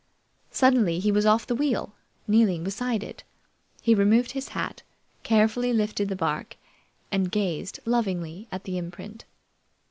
Suddenly he was off the wheel, kneeling beside it. He removed his hat, carefully lifted the bark, and gazed lovingly at the imprint.